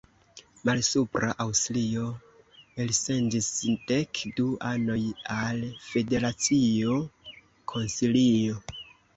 Malsupra Aŭstrio elsendis dek du anoj al federacio konsilio.